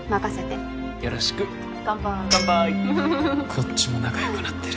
こっちも仲良くなってる。